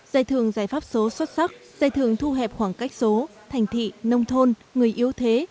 giải thưởng giải pháp số xuất sắc giải thưởng thu hẹp khoảng cách số thành thị nông thôn người yếu thế